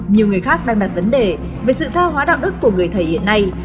nhiều người khác đang đặt vấn đề về sự tha hóa đạo đức của người thầy hiện nay